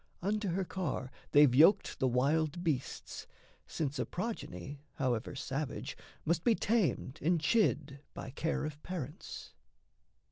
Unto her car They've yoked the wild beasts, since a progeny, However savage, must be tamed and chid By care of parents.